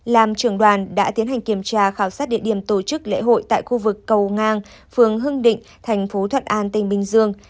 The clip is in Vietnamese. làm trưởng đoàn đã tiến hành kiểm tra khảo sát địa điểm tổ chức lễ hội tại khu vực cầu ngang phường hưng định thành phố thuận an tỉnh bình dương